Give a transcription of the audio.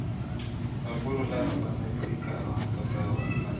• ملګرو لار بدله کړی کاروان په باورنه دی -